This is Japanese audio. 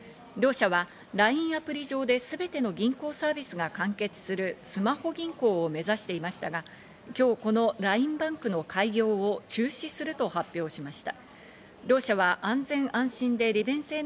両社はＬＩＮＥアプリ上ですべての銀行サービスが完結するスマホ銀行を目指していましたが、今日このＬＩＮＥＢａｎｋの開業を中止すると発表しました。